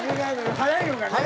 速いのがね。